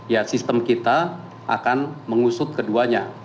ya sistem kita akan mengusut keduanya